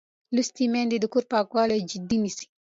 لوستې میندې د کور پاکوالی جدي نیسي.